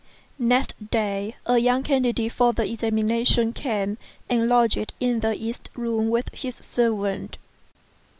Next day, a young candidate for the examination came and lodged in the east room with his servant.